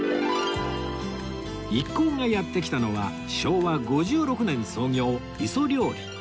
一行がやって来たのは昭和５６年創業磯料理まるとし